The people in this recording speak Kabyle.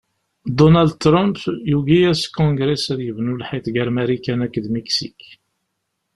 Dunald Trump yugi-as kungres ad yebnu lḥiḍ ger Marikan akked Miksik.